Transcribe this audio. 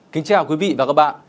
kính chào quý vị và các bạn